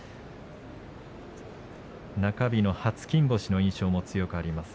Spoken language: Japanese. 中日の初金星の印象も強くあります。